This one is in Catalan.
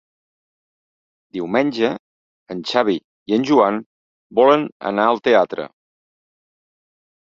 Diumenge en Xavi i en Joan volen anar al teatre.